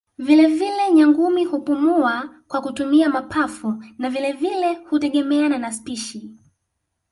Vile vile Nyangumi hupumua kwa kutumia mapafu na vile vile hutegemeana na spishi